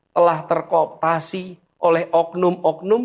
telah terkooptasi oleh oknum oknum